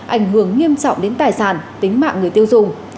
ảnh hưởng nghiêm trọng đến tài sản tính mạng người tiêu dùng